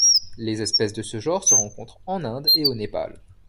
Les espèces de ce genre se rencontrent en Inde et au Népal.